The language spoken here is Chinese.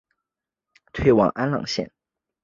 郑绥挟持黎槱退往安朗县。